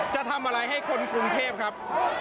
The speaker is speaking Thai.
จะทำอะไรให้คนกรุงเทพครับ